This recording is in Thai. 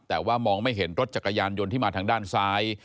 แต่ว่ามองไม่เห็นรถจักรยานยนต์ที่มาทางด้านซ้าย